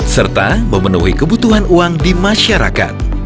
serta memenuhi kebutuhan uang di masyarakat